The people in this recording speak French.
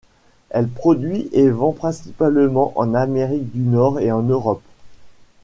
Elle produit et vend principalement en Amérique du Nord et en Europe.